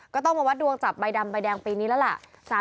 ก็ต้องมาวัดดวงจับใบดำใบแดงปีนี้แล้วล่ะ